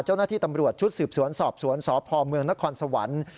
เจ้าหน้าที่ตำรวจชุดสืบสวนสอบสวนสพเมืองนครสวรรค์